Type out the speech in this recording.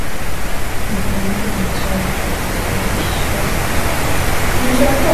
Mjumbe mpya anatoa wito wa kurekebishwa kikosi cha kulinda amani cha jumuia ya Umoja wa Mataifa.